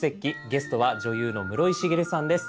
ゲストは女優の室井滋さんです。